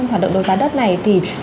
hoạt động đấu giá đất này thì